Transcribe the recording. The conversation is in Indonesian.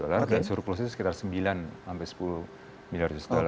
dan surplusnya sekitar sembilan sepuluh miliar usd